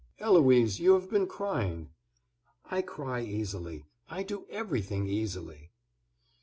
"Eloise, you have been crying." "I cry easily, I do everything easily."